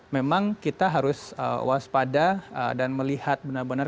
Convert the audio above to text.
memang kita harus waspada dan melihat benar benar